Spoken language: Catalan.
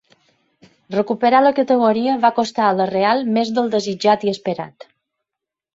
Recuperar la categoria va costar a la Real més del desitjat i esperat.